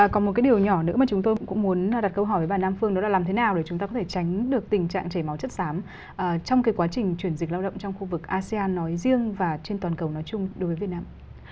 còn một cái điều nhỏ nữa mà chúng tôi cũng muốn đặt câu hỏi với bà nam phương đó là làm thế nào để chúng ta có thể tránh được tình trạng chảy máu chất xám trong cái quá trình chuyển dịch lao động trong khu vực asean nói riêng và trên toàn cầu nói chung đối với việt nam